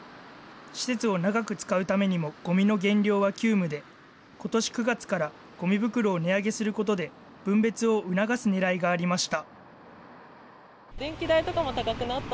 施設を長く使うためにも、ごみの減量は急務で、ことし９月からごみ袋を値上げすることで、分別を促すねらいがありました。